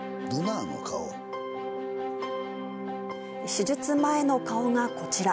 手術前の顔がこちら。